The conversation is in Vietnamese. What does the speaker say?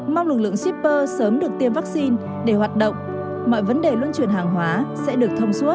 mong lực lượng shipper sớm được tiêm vaccine để hoạt động mọi vấn đề luân chuyển hàng hóa sẽ được thông suốt